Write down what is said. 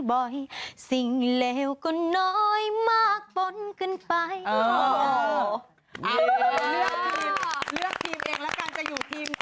สิ่งเลวก็น้อยมากปนขึ้นไป